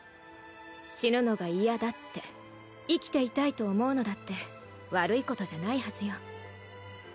死ぬのが嫌だって生きていたいと思うのだって悪いことじゃないはずよ。